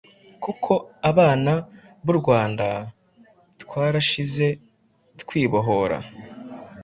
kuko Abana bu Rwanda twarashyize twibohora